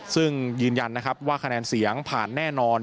ซึ่งยืนยันนะครับว่าคะแนนเสียงผ่านแน่นอน